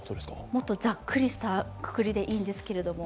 もっとざっくりしたくくりでいいんですけども。